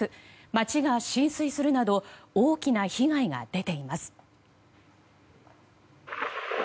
街が浸水するなど大きな被害が出ています。